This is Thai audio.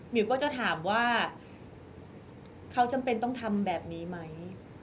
มิวก็จะถามว่าเขาจำเป็นต้องทำแบบนี้ไหม